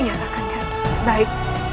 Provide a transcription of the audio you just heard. iya kakak anda baik